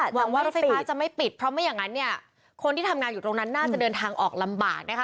หวังว่ารถไฟฟ้าจะไม่ปิดเพราะไม่อย่างนั้นเนี่ยคนที่ทำงานอยู่ตรงนั้นน่าจะเดินทางออกลำบากนะคะ